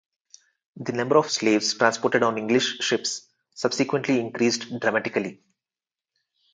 The number of slaves transported on English ships subsequently increased dramatically.